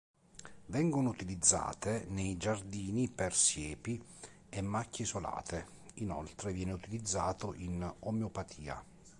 Vengono utilizzate nei giardini per siepi e macchie isolate, inoltre viene utilizzato in omeopatia.